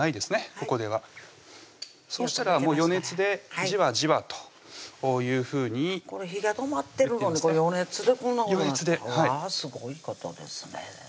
ここではそしたらもう余熱でジワジワというふうにこれ火が止まってるのに余熱でこんなことなってうわ